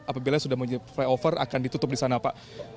apabila sudah punya play over akan ditutup di sana pak